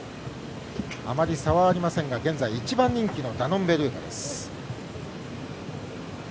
あまり差はありませんが現在１番人気のダノンベルーガです。